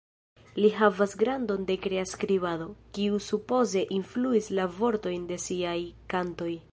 Li havas gradon de krea skribado, kiu supoze influis la vortojn de siaj kantoj.